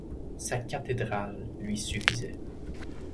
Sa cathédrale lui suffisait.